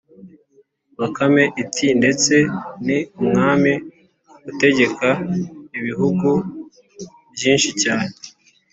bakame iti: "Ndetse ni umwami, ategeka ibihugu byinshi cyane"